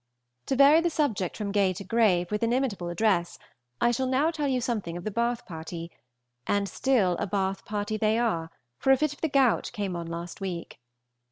To vary the subject from gay to grave with inimitable address, I shall now tell you something of the Bath party and still a Bath party they are, for a fit of the gout came on last week.